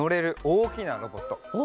おおきなロボット？